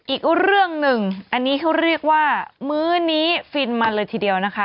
อีกเรื่องหนึ่งอันนี้เขาเรียกว่ามื้อนี้ฟินมันเลยทีเดียวนะคะ